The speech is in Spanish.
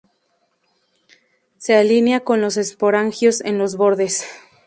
Se alinea con los esporangios en los bordes.